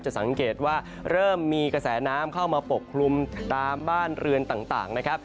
สังเกตว่าเริ่มมีกระแสน้ำเข้ามาปกคลุมตามบ้านเรือนต่างนะครับ